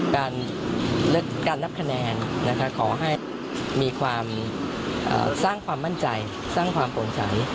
การนับคะแนนขอให้มีความสร้างความมั่นใจสร้างความโปร่งใส